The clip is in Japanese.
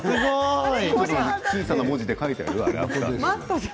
小さな文字で書いてあるよ。